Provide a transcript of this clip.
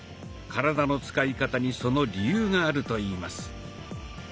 体の使い方にその理由があるといいます。